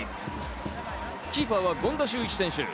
キーパーは権田修一選手。